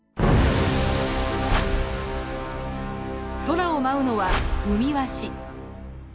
空を舞うのはウミワシ。